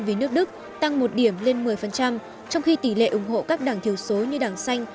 về nước đức tăng một điểm lên một mươi trong khi tỷ lệ ủng hộ các đảng thiểu số như đảng xanh